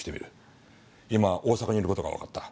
今大阪にいる事がわかった。